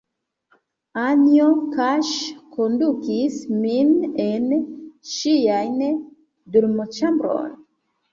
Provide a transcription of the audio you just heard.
Anjo kaŝe kondukis min en ŝian dormoĉambron.